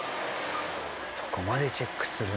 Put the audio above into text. そこまでチェックするんですね。